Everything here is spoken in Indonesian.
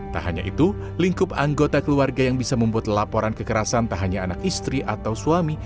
tak hanya itu lingkup anggota keluarga yang bisa membuat laporan kekerasan tak hanya anak istri atau suami